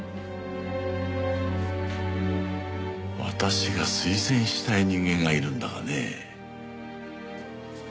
私が推薦したい人間がいるんだがね。